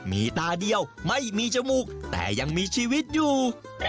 มีตาเดียวไม่มีจมูกแต่ยังมีชีวิตอยู่